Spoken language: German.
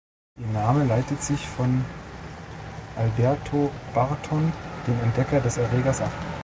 Ihr Name leitet sich von Alberto Barton, dem Entdecker des Erregers, ab.